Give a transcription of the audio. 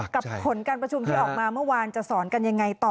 ผลการประชุมที่ออกมาเมื่อวานจะสอนกันยังไงต่อ